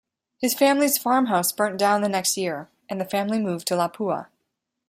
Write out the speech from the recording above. His family's farmhouse burnt down the next year, and the family moved to Lapua.